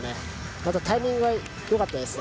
またタイミングがよかったですね。